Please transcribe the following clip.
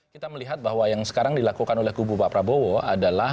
kita melihat bahwa yang sekarang dilakukan oleh kubu pak prabowo adalah